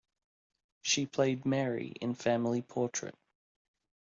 She played Mary in "Family Portrait".